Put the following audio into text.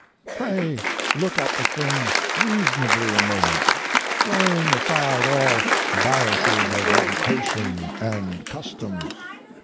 Pray look at the thing reasonably a moment, laying aside all biases of education and custom.